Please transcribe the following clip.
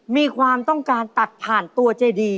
มีความต้องการตัดผ่านตัวเจดี